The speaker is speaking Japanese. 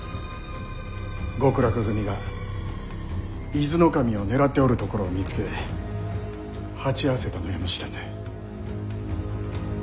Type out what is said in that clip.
極楽組が伊豆守を狙っておるところを見つけ鉢合わせたのやもしれぬ。